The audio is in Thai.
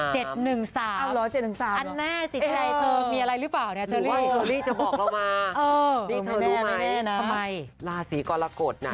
เทอรี่เทอรี่เธอทำเลขเคลื่อนก็ได้นะ